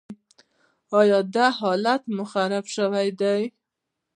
ایا حالت مو خراب شوی دی؟